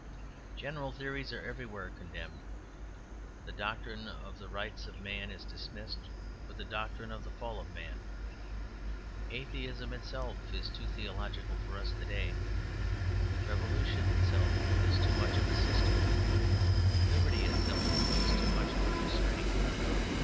General theories are everywhere contemned; the doctrine of the Rights of Man is dismissed with the doctrine of the Fall of Man. Atheism itself is too theological for us to day. Revolution itself is too much of a system; liberty itself is too much of a restraint.